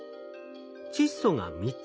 窒素が３つ